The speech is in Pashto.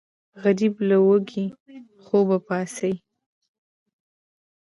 غریب له وږي خوبه پاڅي